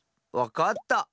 わかった。